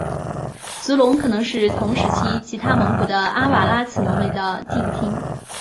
足龙可能是同时期其他蒙古的阿瓦拉慈龙类的近亲。